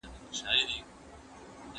کریسټین ډهلګرین د واکسین ایتلاف جوړ کړی دی.